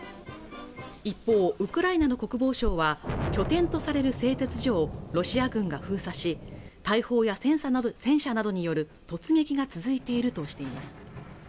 一方ウクライナの国防省は拠点とされる製鉄所をロシア軍が封鎖し大砲や戦車などによる突撃が続いているとしています